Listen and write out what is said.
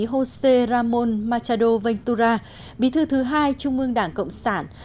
josé ramón machado ventura bí thư thứ hai trung ương đảng cộng sản